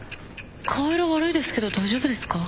顔色悪いですけど大丈夫ですか？